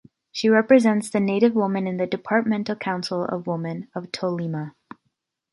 She represents the native women in the Departmental Council of Women of Tolima.